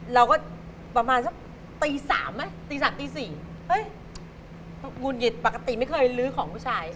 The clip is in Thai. เราก็ประมาณสักตี๓ไหมตี๓ตี๔เฮ้ยหงุดหงิดปกติไม่เคยลื้อของผู้ชาย